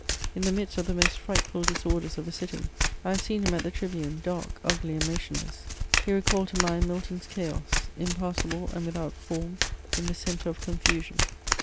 In the midst of the most frightful dis orders of a sitting, I have seen him at the tribune, dark, ugly, and motionless ; he recalled to mind Milton's chaos^ impassible and without form, in the centre of confusion.